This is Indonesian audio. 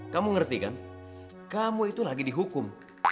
kamu ngerti kan kamu itu lagi dihukum